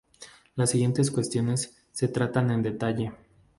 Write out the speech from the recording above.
Las siguientes cuestiones se tratan en detalle.